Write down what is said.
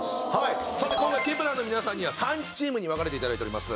さて今回Ｋｅｐ１ｅｒの皆さんには３チームに分かれていただいております。